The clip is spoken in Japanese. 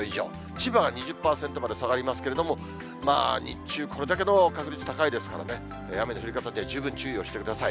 千葉は２０％まで下がりますけれども、まあ、日中、これだけの確率高いですからね、雨の降り方には十分注意をしてください。